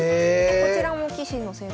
こちらも棋士の先生。